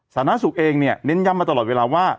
สาธารณสุขเองเนี่ยเน้นย้ำมาตลอดเวลาว่า